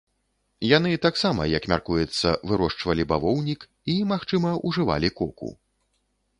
Яны таксама, як мяркуецца, вырошчвалі бавоўнік і, магчыма, ужывалі коку.